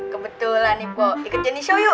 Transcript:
kebetulan nih po ikut jenny show yuk